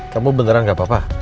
kamu beneran gak apa apa